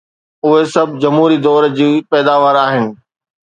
اهي سڀ جمهوري دور جي پيداوار آهن.